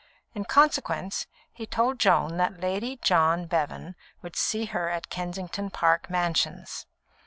In consequence, he told Joan that Lady John Bevan would see her at Kensington Park Mansions.